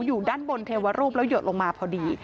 อยู่ด้านบนเทวรูปแล้วหยดลงมาพอดี